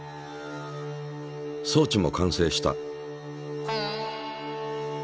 装置も完成した。